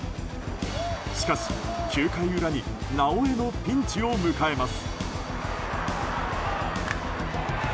しかし、９回裏に「なおエ」のピンチを迎えます。